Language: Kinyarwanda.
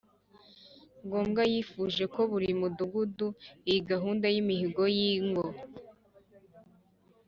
ngombwa. Yifuje ko muri buri mudugudu iyi gahunda y’imihigo y’ingo